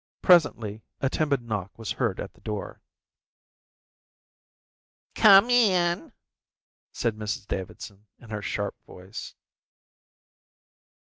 Presently a timid knock was heard at the door. "Come in," said Mrs Davidson, in her sharp voice.